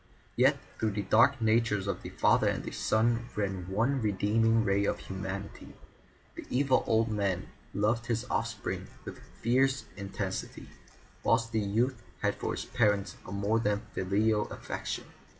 Yet through the dark natures of the father and the son ran one redeeming ray of humanity; the evil old man loved his offspring with fierce intensity, whilst the youth had for his parent a more than filial affection.